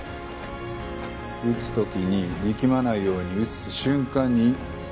打つ時に力まないように打つ瞬間に息を吐く。